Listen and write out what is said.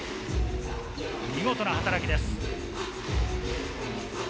見事な働きです。